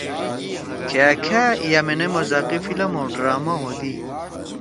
کھأ کھأ یامنے مزاقی فلم او ڈرامہ ہودی۔